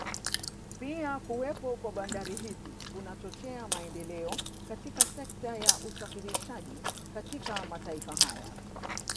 Pia kuwepo kwa bandari hizi kunachochea maendeleo katika sekta ya usafirishaji katika mataifa haya